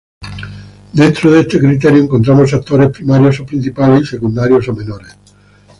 Dentro de este criterio, encontramos actores primarios o principales y secundarios o menores.